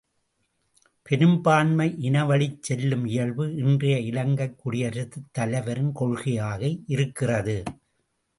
பெரும்பான்மை இனவழிச் செல்லும் இயல்பு இன்றைய இலங்கைக் குடியரசுத் தலைவரின் கொள்கையாக இருக்கிறது.